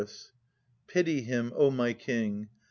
Pity him, O my king!